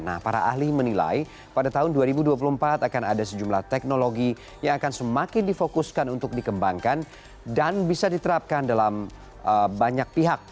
nah para ahli menilai pada tahun dua ribu dua puluh empat akan ada sejumlah teknologi yang akan semakin difokuskan untuk dikembangkan dan bisa diterapkan dalam banyak pihak